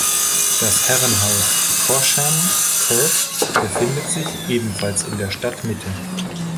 Das Herrenhaus Corsham Court befindet sich ebenfalls in der Stadtmitte.